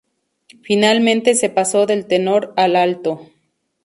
Finalmente se pasó del tenor al alto.